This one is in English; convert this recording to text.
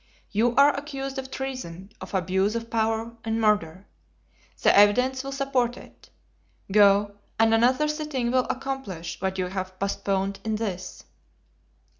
You are accused of treason, of abuse of power, and murder. The evidence will support it. Go, and another sitting will accomplish what you have postponed in this."